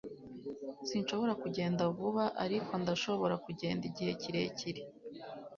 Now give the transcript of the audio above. Sinshobora kugenda vuba ariko ndashobora kugenda igihe kirekire